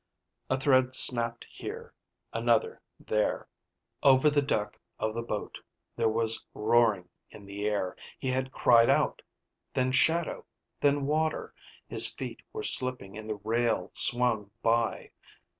A thread snapped here, another there. (Over the deck of the boat there was roaring in the air. He had cried out. Then shadow. Then water. His feet were slipping and the rail swung by.